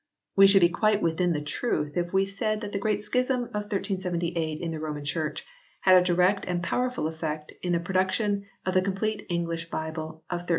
We should be quite within the truth if we said that the Great Schism of 1378 in the Roman Church had a direct and powerful effect in the production of the complete English Bible of 1382.